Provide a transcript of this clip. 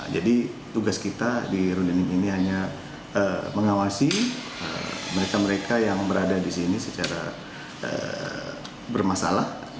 jadi tugas kita di rundinim ini hanya mengawasi mereka mereka yang berada di sini secara bermasalah